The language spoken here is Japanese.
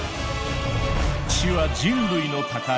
知は人類の宝。